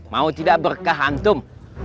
mau tidak berkah antum